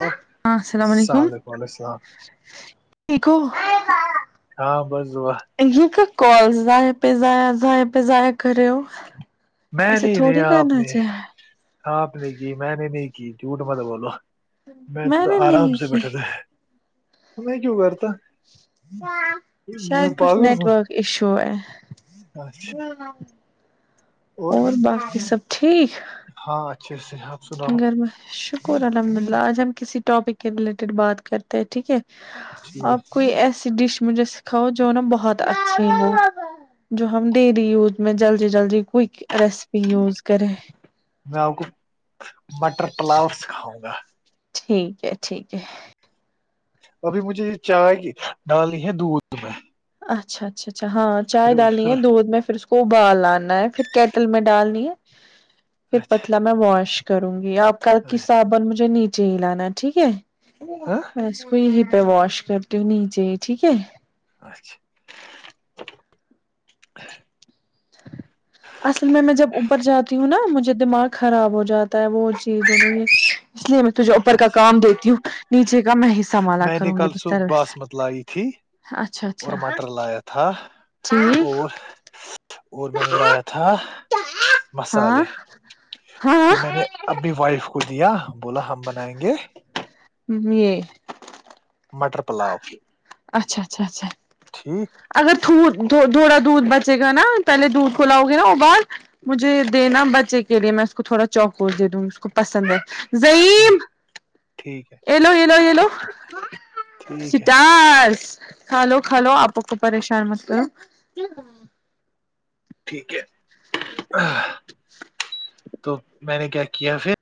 hello ہاں السلام علیکم یکو ہاں بسعا یہ کا کال زاائیں پہ زضایا زائ پہ زضائیا کرریو میں نہیں رہیا آپ نے آپ نے کی میں نے نہیں کی جھوٹ مت بولو میں تو نے آرام نہیں سے کی بیٹھے تھ میں کیوں کرتا میں شاید کچھ پاگل ہوں نیٹورک ایشو ہے اچھا اور باقی سب ٹھیک ہاں اچھے سے سناؤ گرما شکر الحمد اللہ آج ہم کسی ٹاپک کے ریلیٹڈ بات کرتے ہیں ٹھیک ہے ٹھیک ہے آپ کوئی ایسی ڈش مجھے جو نا بہت اچھی ہو جو ہم ڈیری یوز میں جلدی جلدی کئک ریسپی یوز کریں میں آپ کو مٹر پلاؤ سکھاؤں گا ٹھیک ہے ٹھیک ہے ابھی مجھے یہ چائے ڈالی ہے دودھ میں اچھا اچھا اچھا ہاں چائے پھر ڈالنی پھر ہے دودھ میں پھر اس کو ابال آنا ہے پھر کیٹل میں ڈالنی ہے پھر اچھا پتلا میں واش کروں گی ا کل کی صابن مجھے نیچے ہی لانا ٹھیک ہے ہاں بس کو ہی پہ واش کرتی ہوں نیچے ٹھیک ہے اچھا اصل میں میں جب اپر جاتی ہوں نا مجھے دماغ خراب ہو جاتا ہے وہ چیز اس لیے میں تجھے اوپر کا اچھا کام دیتی ہوں نیچے کا میں سنبالا میں نے کروں گی کل طر صبح ویس باسمت لائی تھی اچھا اچھا اور مٹر لایا تھا ٹھیک اور اور میں نے لایا تھا ہاں مسالے ہاں پھر میں نے اب بھی وائف کو دیا بولا ہم بنائیں گے [inaudible] مٹر پلاا اچھا اچھا اچھا ٹھیک اگر تھوڑا دودھ بچے گا نا پہلے دودھ کوھلاؤ گے نا اور بر مجھے دینا بچے کے لیے میں اس کو تھوڑا چوکوٹ دے دوں گی اس کو پسند ہے زظعیم ٹھیک ٹھیک ہے ایلو یہلو یہلو ٹھیک ہے سٹار کھا لو کھا لو آپ کو پریشان متل ٹھیک ہے تو میں نے کیا کیا پھر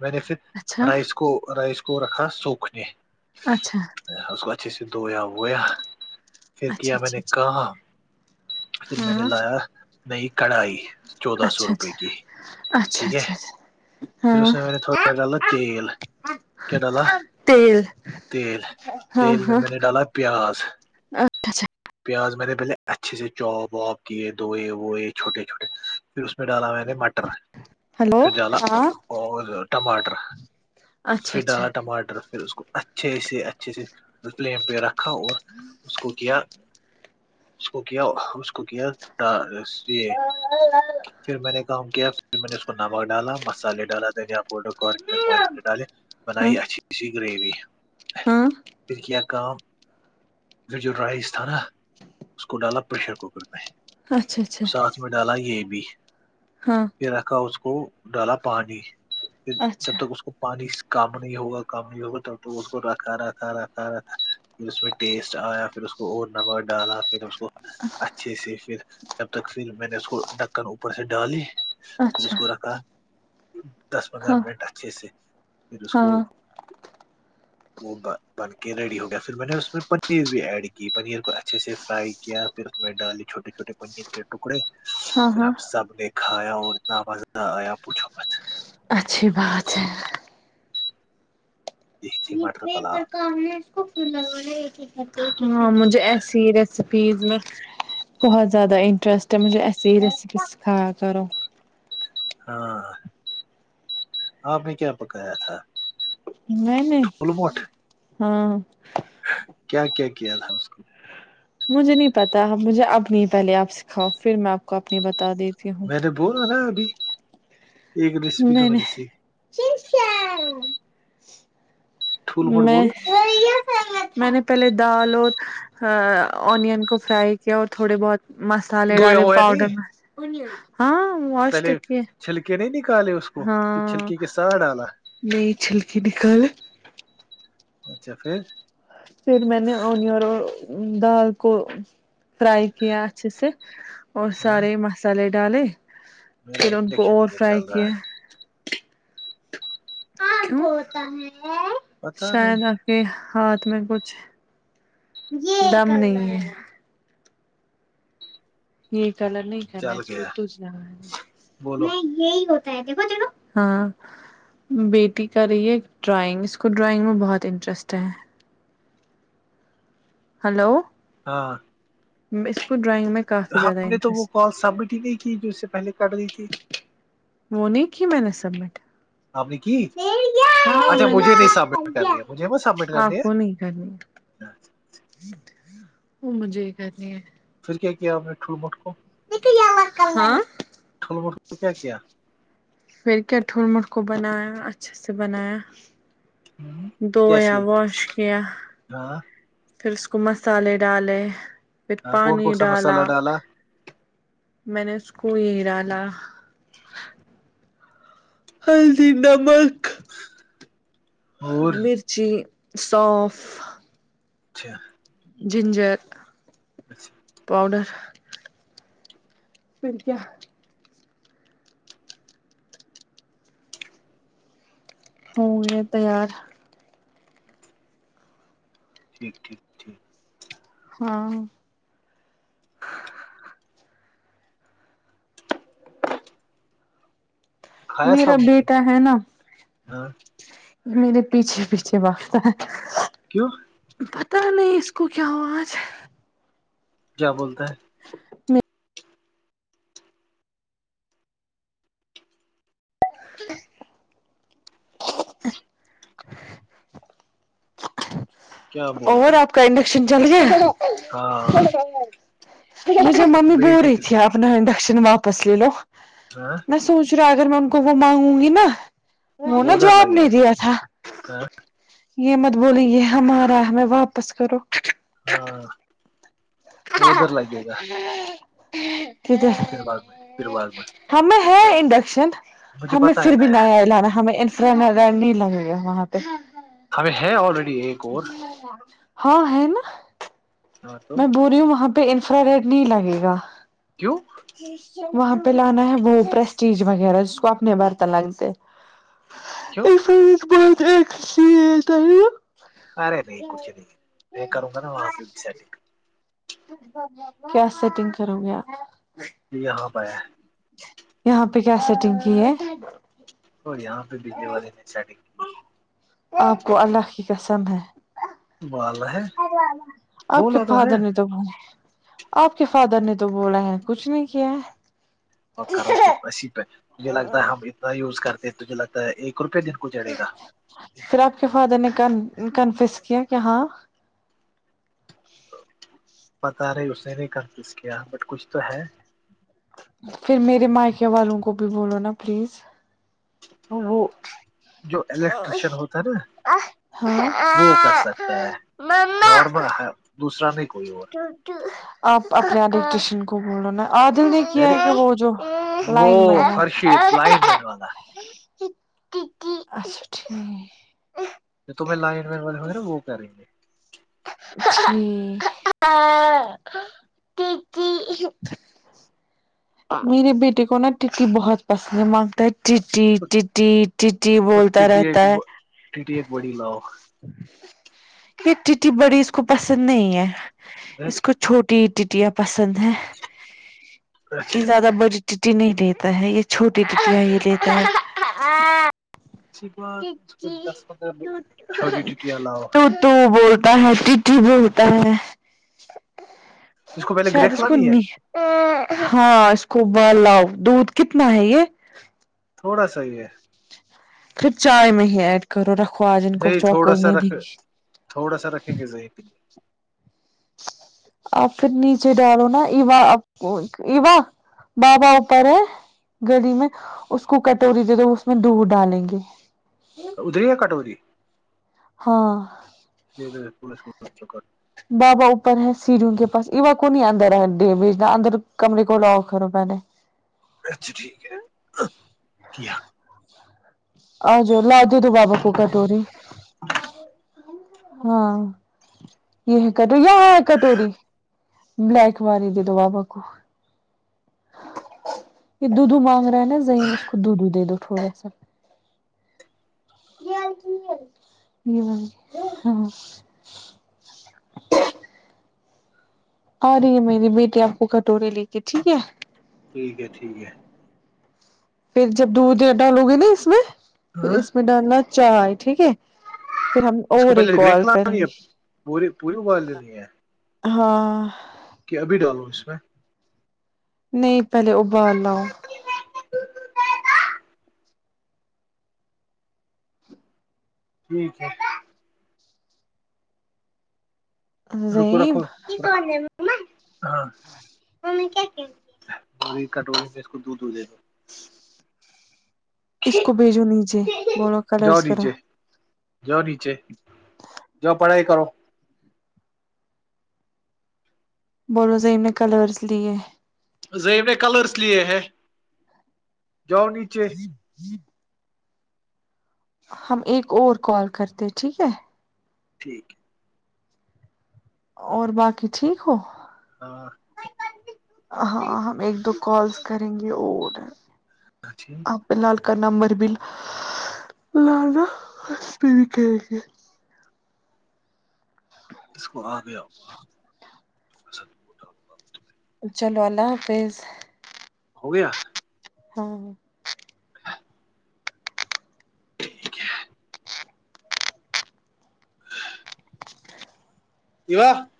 میں نے پھر اچھا رائس کو رکھا سوکھ نے اچھا اس کو اچھے سے دھویا ہوویا پھر کیا اچھا میں اچھا نے اچھا کہا پھر میں نے ہاں لایا نہیں کڑھائی چودہ سو اچھا روپئے کی اچھا اچھا ٹھیک ہے اچھا اچھا پھر اس ہاں میںے تھوڑا غلط تیل کیا ڈالا تیل تیل ہاں تیل میں ہاں میں نے ڈالا پیاز اچھا اچھا پیاز میں نے پہلے اچھے سے چوپ وااب کیے دھوئے ہوئے وہ یہ چھوٹے چھوٹے پھر اس میں ڈالا میں نے مٹر ہلو پھر ڈالا ہاں اور ٹماٹر اچھا پھر ڈالا اچھا ٹماٹر پھر اس کو اچھا اچھے سے اچھے سے پلین پہ رکھا اور اس کو کیا اس کو کیا اس کو کیا ڈ پھر میں نے کام کیا پھر میں نے اس کو نمک ڈالا مسالے ڈالا دنیا پڈررر ڈالے ہاں بنائی اچھی سی گریوی ہاں پھر کیا کا پھر جو رائس تھا نا اس کو ڈالا پریشر کوکر میں اچھا اچھا ساتھ میں ڈالا یہ بھی ہاں رکھا اس کو ڈالا پانی پھر جب اچھا تک اس پانی کم نہیں ہوگا کم نہیں ہوگا تو اس کو رکھا را کا رہا پھر اس میں ٹیسٹ آیا پھر اس کو نب ڈالا پھر اس کو اچھا اچھے سے پھر جب تک پھر میں نے اس کو ڈکن اوپر سے ڈالی پھر اس اچھا کو رکھا دس پندرہ ہاں منٹ اچھے سے پھر اس کو ہاں وہ بن کے ریڈی ہو گیا پھر میں نے اس میں پنیر بھی ایڈ کی پنیر کو اچھے سے فرائی کیا پھر اس میں ڈالے چھٹے چھوٹے پنیر کے ٹکڑے ہاں پھر ہاں ہم سب نے کھایا اور اتنا مزہ آیا پوچھو پت اچھی بات ہے یہ کی مٹر پلا ہاں مجھے ایسی ریسیپیز میں بہت زیادہ انٹرسٹ ہے مجھے ایسی یہ ریسیپی سکھایا کرو ہاں آپ نے کیا پکایا تھا میں نے ھول مٹ ہاں کیا کیا کیا تھا اس کو مجھے نہیں پتا مجھے اب نہیں پہلے آپ سکھاؤ پھر میں آپ کو اپنی بتا دیتی ہوں میں تو بول رہ رہا‌ ابھی ایک ریسیپی تو میں نے سیکھی کیا ٹھول مٹ میں بولو گیا میں نے پہلے دال اور اونین کو فرائی کیا اور تھوڑے بہت مسالے دھویا ڈے ہوا نہیں پاؤڈر ہاں واش پہلے توک ہے چھلکے نہیں نکالے اس کو کہ چھلکی کے ساتھ ڈالا نہیں چھلکی نکال اچھا پھر پھر میں نے اونر اور دال کو فرائی کیا اچھے سے اور ہاں سارے مسالے ڈالے میرا پھر ان کو انڈکشن ہی اور نہیں فرائی چل رہا کیا ہے کیوں پتا نہیں شایدہ کہ ہاتھ میں کچھ دم نہیں ہے یہ کلر نہیں کرنا چل گیا ہے بولو نہ یہ ہاں بیٹی کا رہی ہے ڈرائنگ اس کو ڈرائنگ میں بہت انٹرسٹ ہے ہیلو ہاں م ڈرائن میں کہا ہم نے تو وہ کال سبمٹ ہی نہیں کی جو اس سے پہلے کر رہی تھی ہے، وہ نہیں کی میں نے سبمٹ آپ نے کی اچھا مجھے نہیں سبمٹ کرنی ہے آپ کو نہیں کرنی اچھا وہ مجھے یہ کرنی ہے پھر کیا کیا آپ نے ٹھوٹ موٹ کو ہاں ٹھول ب کیا کیا پھر کیاٹھور مٹ کو بنایا اچھے سے بنایا دویا کیسے واش کیا [inaudible] ہاں ہاں کون کون سا مسالہ ڈالا میں نے اس کو یہ ہیراالا ہلدی نمک اور مرچی سونف اچھا جنجر اچھا پاؤڈر پھر کیا ہووں گے تیار ٹھ ٹیک ہاں کھایا میرا سب بیٹا ہے نا ہاں یہ میرے پیچھے پیچھے وقت ہے کیوں پتہ نہیں اس کو کیا آواز کیا بولتا ہے میں [inaudible] [inaudible] کیا اور بولتا ہے آپ کا انڈکشن چل گیا ہاں مجھے ممی بول بیٹے رہی کے تھی اپنا انڈکشن واپس لے لو لیے ہاں میں سوچ ا اگر میں ان کو وہ مانگوں گی نا وہ نا ادھر جواب لگے نہیں دیا ا گا ہاں یہ مت بولیں یہ ہمارا ہمیں واپس کرو ہاں وہ ادھر لگے گا یک ہے پھر باغ میں پھر باغ میں ہمیں ہے انڈکشن مجھے ہمیں پتا ہے پھر بھی ن نیا آیا لانا ہمیں نہیں لگے گا وہاں پہ ہمیں ہے آلریڈی ایک اور اچا ہاں ہے نا ہاں تو میں بول رہی ہوں وہاں پہ انفرا ریڈ نہیں لگے گا کیوں وہاں پہ لانا ہے وہ پرسٹیج وغیرہ جس کو اپنے برتن لگتے کیوں ا س بت اھی ت ارے نہیں کچھ نہیں میں کروں گا نا وہاں پہ بھی سڈ کیا سیٹنگ کرو گے آپ ج یہاں پہ آ یہاں پہ کیا سیٹنگ کی ہے اور یہاں پہ بجلی والے نے اسارٹنگ کی آپ کو اللہ کی قسم ہے بال ہے آپ کے بولا ہے فادر نے تو بول آپ کے فادر نے تو بولا ہے کچھ نہیں کیا ہے اور کرو اسی پ مجھے لگتا ہے ہم اتنا یوز کرتے تجھے لگتا ہے ایک روپئے دن کو جڑے گا پھر آپ کے فادر نے کنفیس کیا کہ ہاں پتا رہے اس نے نہیں کنفس کیا بٹ کچھ تو ہے پھر میرے مائکے والوں کو بھی بولو نا پلیز تو وہ جو الیکٹریشن ہوتا ہے نا وہ کر سکتا ہے مما نارمل ہ دوسرا نہیں کوئی ہو آپ اپنے آد کشن کو بولو نا عادل نے کیا اور ہے کہ وہ جو لائن میں ہے پڈ والا اٹھ تو توم میں لائن مین والےوں گےا وہ کہ کریں گے ہ ا ت ت میرے بیٹے کو نا ٹکی بہت پسند ہے مانگتا ہے ٹی ٹیٹی ٹیٹی تو بولتا ٹی ٹی رہتا ایک ہے ٹی ایک بڑی لاؤ یہ ٹی بڑی اس کو پسند نہیں ہے اس کو چھوٹی ٹیاں پسند ہیں اچھا یہ زیادہ بڑی چٹی نہیں لیتا ہے یہ چھوٹی چٹی ہے یہ لیتا ہے بات اس کو دس پندرہ چھوٹی ٹی علاو تو بولتا ہے ٹی بولتا ہے اس کو پہلے شاید گریک اس کو لانی ہے نہیں ہاں اس کو ب لاؤ دودھ کتنا ہے یہ تھوڑا سحی ہے پھر چائے میں ہی ایڈ کرو رکھو آج ان کو نہیں تھوڑا چوکوز سا نہیں رکھ دیں گی تھوڑا سا رکھیں گے ذہ آپ پھر نیچے ڈالو نا ایوا آپ کو ایوا بابا اوپر ہے گلی میں اس کو کٹوری دے دو اس میں دودھ ڈالیں گے ادھری ہے کٹوی ہاں بابا اوپر ہے سیریوں کے پاس ایوا کو نہیں اندر ہے بھیجنا اندر کمرے کو لاؤ کرو پہلے اچھا ٹھیک ہے کیا ہجر ل ددو بابا کو کٹوروری ہاں یہ ہے کٹوری یہاں ہے کٹوری بلک مار دو وابا کو یہ دودو مانگ رہا ہے نا زظائم اس کو دودھو دے دو تھوڑا سا یہ ہاں آ رہی ہے میری بیٹی آپ کو کٹورے لے کے ٹھیک ہے ٹھیک ہے ٹھیک ہے پھر جب دودھ ڈالو گے نا اس میں پھر ہاں اس میں ڈالنا چائے ٹھیک ہے پھر ہم اس کو اور پہلے ایکیکال گریک کریں لانی ہے گے پوری پوری ابال لینی ہے ہاں کہ ابھی ڈالو اس میں نہیں پہلے ابال لاؤ ٹھیک ہے رکو زیب رکھو دی کٹوری میں اس کو دودھ دھ دے اس کو بھیجو نیچے بولو جاؤ کلرس کرو نیچے نیچے جو پڑھائی کرو بولو صی میں کلرس لی ہے زی نے کلرس لیے ہے جاؤ نیچے جی ہم ایک اور کال کرتے ٹھیک ہے ٹھیک اور باقی ٹھیک ہو ہاں ہاں ہم ایک دو کالس کریں گے اور اچھی لال کا نمبر بھیل لال ہس پ بھی کہ گ اس کو آ گیا چلو اللہ حافظ ہو گیا ہاں ہاں ٹھیک ہے [unintelligible] کی و [unintelligible]